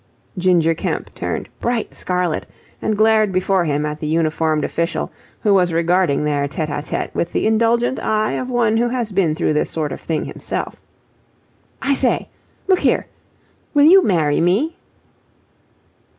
Ginger Kemp turned bright scarlet and glared before him at the uniformed official, who was regarding their tête à tête with the indulgent eye of one who has been through this sort of thing himself. "I say, look here, will you marry me?"